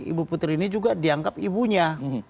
ibu putri ini juga dianggap ibunya